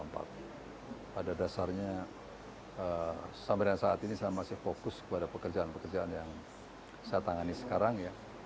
pada dasarnya sampai dengan saat ini saya masih fokus kepada pekerjaan pekerjaan yang saya tangani sekarang